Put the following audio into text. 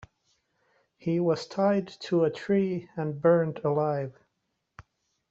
He was tied to a tree and burned alive.